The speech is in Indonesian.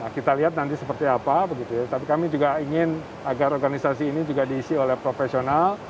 kita lihat nanti seperti apa tapi kami juga ingin agar organisasi ini juga diisi oleh profesional